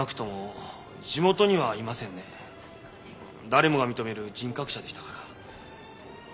誰もが認める人格者でしたから。